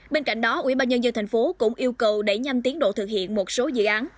bên cạnh đó ủy ban nhân dân tp hcm cũng yêu cầu đẩy nhanh tiến độ thực hiện một số dự án